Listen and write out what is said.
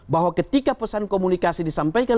bahwa ketika pesan komunikasi disampaikan